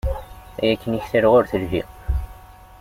Ay akken i ktaleɣ ur telhi.